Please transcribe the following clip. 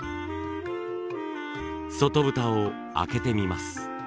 外蓋を開けてみます。